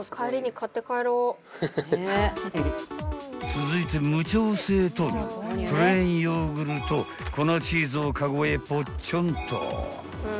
［続いて無調整豆乳プレーンヨーグルト粉チーズをカゴへぽっちょんと］